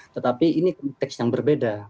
tetapi ini konteks yang berbeda